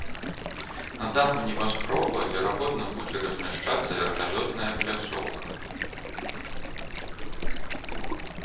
На даху небаскроба, верагодна, будзе размяшчацца верталётная пляцоўка.